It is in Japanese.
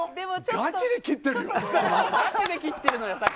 ガチで切ってるよ。